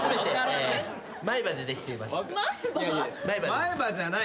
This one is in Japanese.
前歯じゃない。